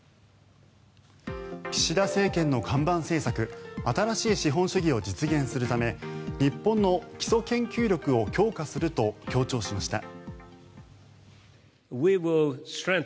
岸田政権の看板政策新しい資本主義を実現するため日本の基礎研究力を強化すると強調しました。